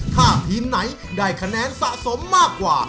ถ้าทีมไหนได้คะแนนสะสมมากกว่า